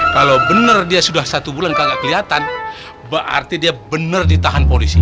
kalau bener dia sudah satu bulan kagak keliatan berarti dia bener ditahan polisi